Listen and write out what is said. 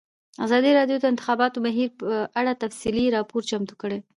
ازادي راډیو د د انتخاباتو بهیر په اړه تفصیلي راپور چمتو کړی.